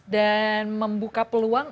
dan membuka peluang